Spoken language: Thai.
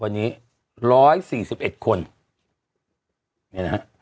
วันนี้๑๔๑คน